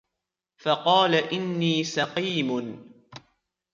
فَقَالَ إِنِّي سَقِيمٌ